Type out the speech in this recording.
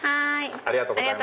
ありがとうございます。